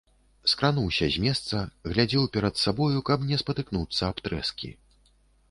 Скрануўся з месца, глядзеў перад сабою, каб не спатыкнуцца аб трэскі.